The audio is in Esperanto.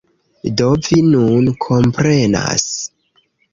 Do, vi nun komprenas.